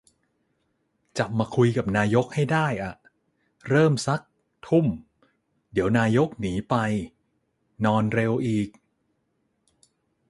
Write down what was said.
จับมาคุยกับนายกให้ได้อะ เริ่มซัก ทุ่ม เดี๋ยวนายกหนีไปนอนเร็วอีก